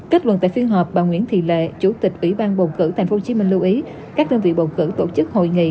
kết luận tại phiên họp bà nguyễn thị lệ chủ tịch ủy ban bầu cử tp hcm lưu ý các đơn vị bầu cử tổ chức hội nghị